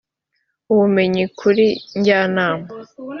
ubumenyi kuri njyanama